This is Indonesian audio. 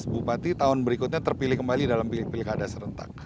sembilan belas bupati tahun berikutnya terpilih kembali dalam pilih pilih keadaan serentak